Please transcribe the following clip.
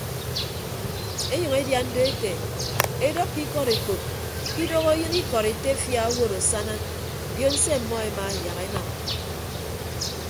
Enyʌñ edian do ete edọkkọ ikọd ekop ke idooho eyịn ikọd etefia owod asana ndion se ọmmọ ema yak enam.